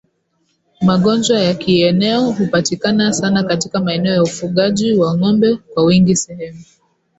Magonjwa ya kieneo hupatikana sana katika maeneo ya ufugaji wa ng'ombe kwa wingi Sehemu